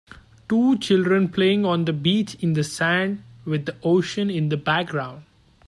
Two children playing on the beach in the sand with the ocean in the background